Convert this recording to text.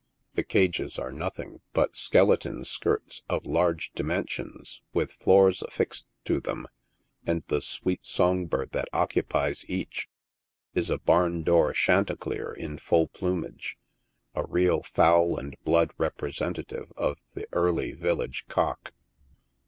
The cages are nothing but " skeleton skirts" of large dimensions, with floors affixed to them, and the sweet song bird that occupies each is a barn door chanticleer in full plumage — a real fowl and blood representative of the " early village cock."